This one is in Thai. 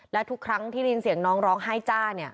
และทุกครั้งที่ได้ยินเสียงน้องร้องไห้จ้าเนี่ย